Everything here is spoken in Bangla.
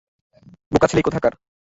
বোকা ছেলে কোথাকার।